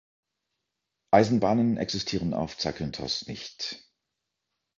Eisenbahnen existieren auf Zakynthos nicht.